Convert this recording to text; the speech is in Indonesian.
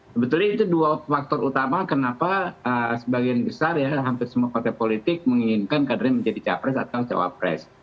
sebetulnya itu dua faktor utama kenapa sebagian besar ya hampir semua partai politik menginginkan kadernya menjadi capres atau cawapres